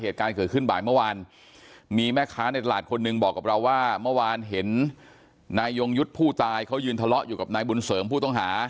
เหตุการณ์เกิดขึ้นบ่ายเมื่อวานมีแม่ค้าในตลาดคนหนึ่งบอกกับเราว่าเมื่อวานเห็นนายยงยุทธ์ผู้ตายเขายืนทะเลาะอยู่กับนายบุญเสริมผู้ต้องหา